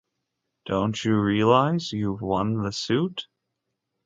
Don't you realize you've won the suit?